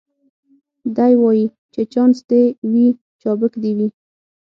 دی وايي چي چانس دي وي چابک دي وي